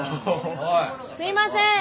すいません！